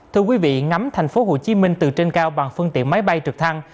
thưa quý vị ngắm thành phố hồ chí minh từ trên cao bằng phương tiện máy bay trực thăng